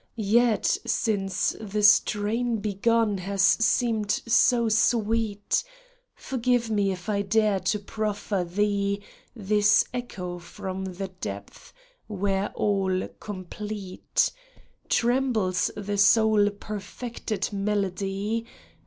Yet since the strain begun has seemed so sweet, Forgive me if I dare to proffer thee This echo from the depths where all complete Trembles the soul's perfected melody.